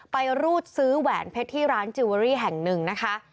รูดซื้อแหวนเพชรที่ร้านจิลเวอรี่แห่งหนึ่งนะคะ